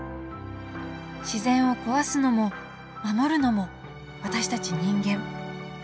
自然を壊すのも守るのも私たち人間。